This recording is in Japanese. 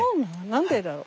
何でだろ？